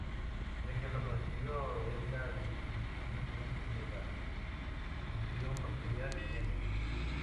Un ejemplo conocido es la definición recurrente de la función factorial "n"!